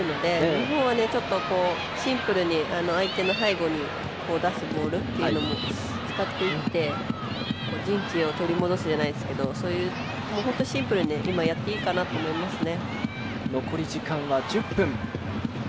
日本はシンプルに相手の背後に出すボールも使っていって、陣地を取り戻すじゃないですけどそういう、本当にシンプルにやっていいかなと思いますね。